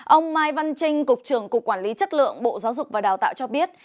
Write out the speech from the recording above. ông mai văn trinh cục trưởng cục quản lý chất lượng bộ giáo dục và đào tạo cho biết